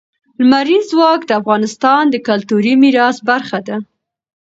لمریز ځواک د افغانستان د کلتوري میراث برخه ده.